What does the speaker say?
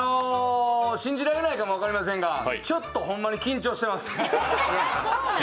信じられないかも分かりませんがちょっとほんまに緊張してます。